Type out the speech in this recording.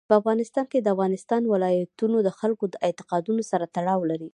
په افغانستان کې د افغانستان ولايتونه د خلکو د اعتقاداتو سره تړاو لري.